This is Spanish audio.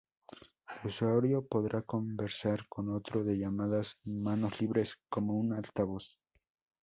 El usuario podrá conversar con otro de llamadas manos libres, como un altavoz.